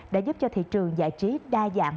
đã giúp cho thị trường giải trí đa dạng